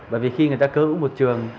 bởi vì khi người ta cơ hữu một trường